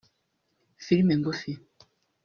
Filime ngufi